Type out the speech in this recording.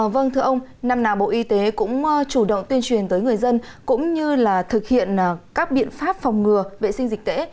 vâng thưa ông năm nào bộ y tế cũng chủ động tuyên truyền tới người dân cũng như là thực hiện các biện pháp phòng ngừa vệ sinh dịch tễ